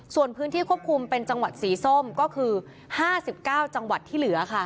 ส่วนพื้นที่ควบคุมเป็นจังหวัดสีส้มก็คือ๕๙จังหวัดที่เหลือค่ะ